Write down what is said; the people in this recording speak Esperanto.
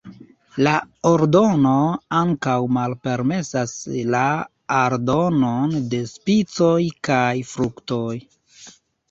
La ordono ankaŭ malpermesas la aldonon de spicoj kaj fruktoj.